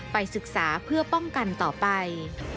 ไปศึกษาเพื่อป้องกันต่อไป